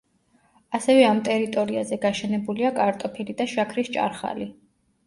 ასევე ამ ტერიტორიაზე გაშენებულია კარტოფილი და შაქრის ჭარხალი.